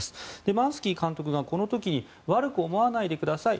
マンスキー監督が、この時に悪く思わないでください。